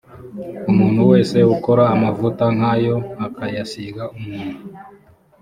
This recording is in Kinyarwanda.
umuntu wese ukora amavuta nk’ayo akayasiga umuntu